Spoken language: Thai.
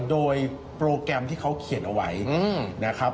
โดยโปรแกรมที่เขาเขียนเอาไว้นะครับ